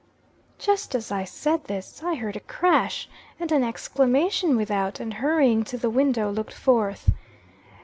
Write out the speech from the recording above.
Just as I had said this, I heard a crash, and an exclamation without, and hurrying to the window looked forth.